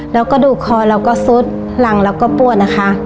แล้วกระดูกคอเราก็ซุดหลังเราก็ปวดนะคะ